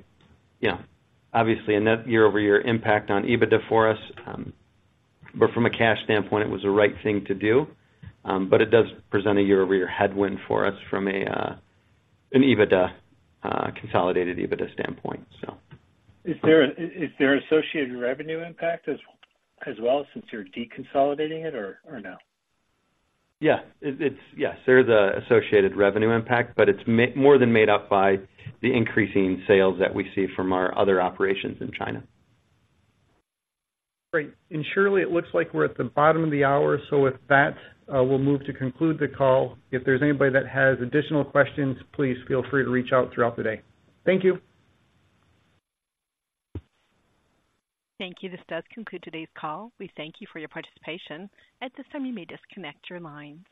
you know, obviously a net year-over-year impact on EBITDA for us, but from a cash standpoint, it was the right thing to do. But it does present a year-over-year headwind for us from a, an EBITDA, consolidated EBITDA standpoint, so. Is there associated revenue impact as well, since you're deconsolidating it, or no? Yeah. Yes, there is an associated revenue impact, but it's more than made up by the increasing sales that we see from our other operations in China. Great. And surely it looks like we're at the bottom of the hour. So with that, we'll move to conclude the call. If there's anybody that has additional questions, please feel free to reach out throughout the day. Thank you. Thank you. This does conclude today's call. We thank you for your participation. At this time, you may disconnect your line.